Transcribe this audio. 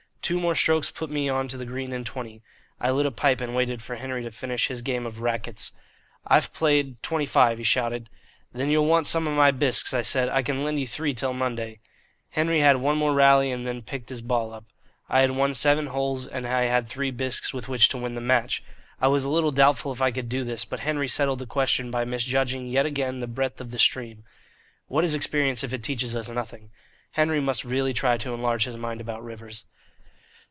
Two more strokes put me on to the green in twenty. I lit a pipe and waited for Henry to finish his game of rackets. "I've played twenty five," he shouted. "Then you'll want some of my bisques," I said. "I can lend you three till Monday." Henry had one more rally and then picked his ball up. I had won seven holes and I had three bisques with which to win the match. I was a little doubtful if I could do this, but Henry settled the question by misjudging yet again the breadth of the stream. What is experience if it teaches us nothing? Henry must really try to enlarge his mind about rivers.